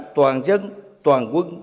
toàn dân toàn quân